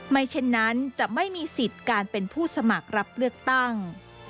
เช่นนั้นจะไม่มีสิทธิ์การเป็นผู้สมัครรับเลือกตั้ง